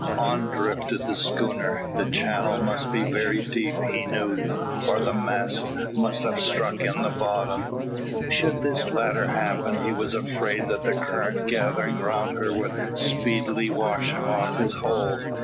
On drifted the schooner. The channel must be very deep, he knew, or the masts must have stuck in the bottom. Should this latter happen, he was afraid that the current gathering round her would speedily wash him off his hold.